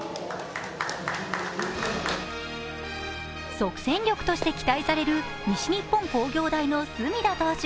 即戦力として期待される西日本工業大の隅田投手。